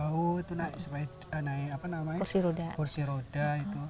waktu pas pak bejo memutuskan untuk jualan ke jauh itu naik kursi roda